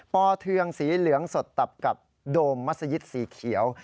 ปเทืองสีเหลืองสดตับกับโดมมัศยิตสีเขียว